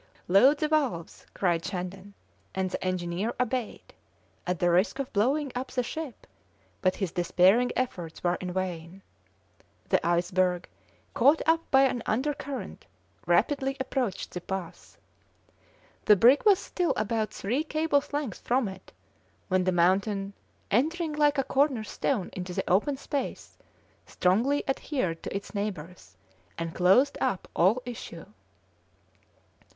"Load the valves!" cried Shandon, and the engineer obeyed at the risk of blowing up the ship; but his despairing efforts were in vain. The iceberg, caught up by an undercurrent, rapidly approached the pass. The brig was still about three cables' length from it, when the mountain, entering like a corner stone into the open space, strongly adhered to its neighbours and closed up all issue.